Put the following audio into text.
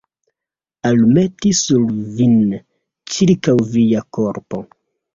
Almeti sur vin, ĉirkaŭ via korpo.